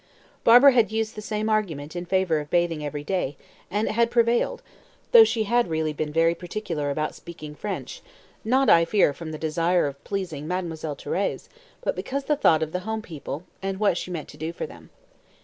Barbara had used the same argument in favour of bathing every day, and had prevailed, though she had really been very particular about speaking French not, I fear, from the desire of pleasing Mademoiselle Thérèse, but because of the thought of the home people, and what she meant to do for them.